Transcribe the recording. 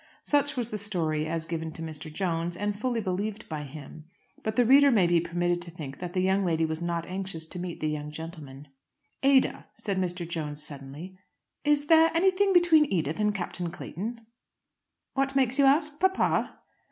Such was the story as given to Mr. Jones, and fully believed by him; but the reader may be permitted to think that the young lady was not anxious to meet the young gentleman. "Ada," said Mr. Jones suddenly, "is there anything between Edith and Captain Clayton?" "What makes you ask, papa?"